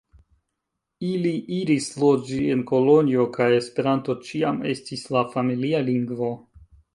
Ili iris loĝi en Kolonjo kaj Esperanto ĉiam estis la familia lingvo.